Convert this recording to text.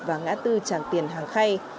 và ngã tư tràng tiền hàng khay